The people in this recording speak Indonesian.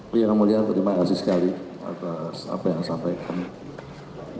pilihan mulia terima kasih sekali atas apa yang disampaikan